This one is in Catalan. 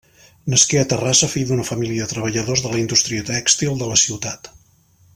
Nasqué a Terrassa, fill d'una família de treballadors de la indústria tèxtil de la ciutat.